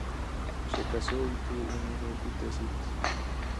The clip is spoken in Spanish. Se casó y tuvo un hijo y tres hijas.